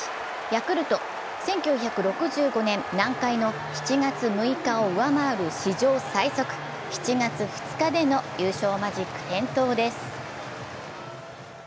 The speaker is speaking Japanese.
ヤクルト、１９６５年、南海の７月６日を上回る、史上最速７月２日での優勝マジック点灯です。